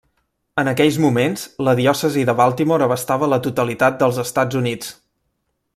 En aquells moments, la diòcesi de Baltimore abastava la totalitat dels Estats Units.